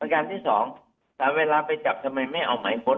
การที่สองแต่เวลาไปจับทำไมไม่เอาหมายค้น